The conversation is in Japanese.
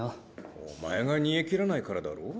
お前が煮えきらないからだろ？